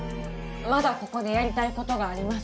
まだここでやりたいことがあります。